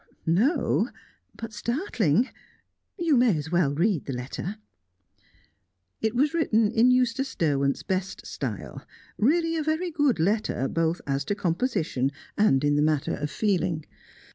"No, but startling. You may as well read the letter." It was written in Eustace Derwent's best style; really a very good letter, both as to composition and in the matter of feeling.